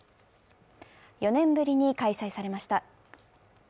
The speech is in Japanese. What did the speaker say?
４年ぶりに開催されました。